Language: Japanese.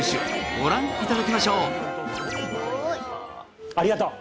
ご覧いただきましょうありがとう！